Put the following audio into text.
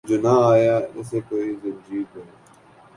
جو نہ آیا اسے کوئی زنجیر در